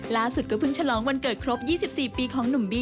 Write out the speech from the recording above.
ล่าสุดก็เพิ่งฉลองวันเกิดครบ๒๔ปีของหนุ่มบี้